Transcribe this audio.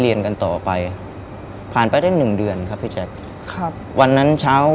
เรียนกันต่อไปผ่านไปได้หนึ่งเดือนครับพี่แจ๊คครับวันนั้นเช้า